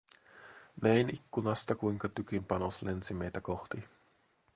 Näin ikkunasta kuinka tykin panos lensi meitä kohti.